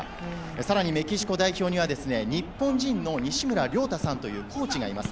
更に、メキシコ代表には日本人の西村亮太さんというコーチがいます。